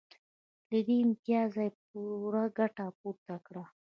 له دې امتیازه یې پوره ګټه پورته کړه